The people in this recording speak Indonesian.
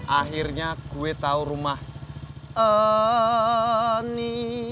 akhirnya gue tau rumah ani